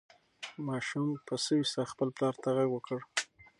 ماشوم په سوې ساه خپل پلار ته غږ وکړ.